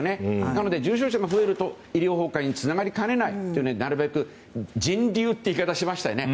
なので重症者が増えると医療崩壊につながりかねないのでなるべく人流という言い方をしましたよね。